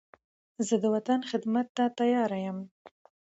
زه د وطن خدمت ته تیار یم.